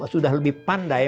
sudah lebih pandai